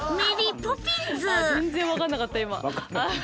全然分かんなかった今。